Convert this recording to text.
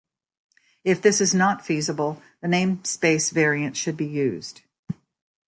If this is not feasible, the namespace variant should be used.